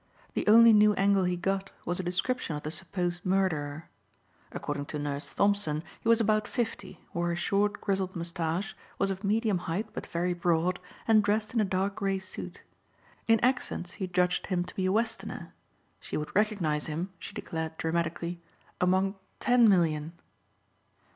The only new angle he got was a description of the supposed murderer. According to Nurse Thompson he was about fifty, wore a short grizzled moustache, was of medium height but very broad, and dressed in a dark gray suit. In accent she judged him to be a Westerner. She would recognize him, she declared dramatically, among ten million.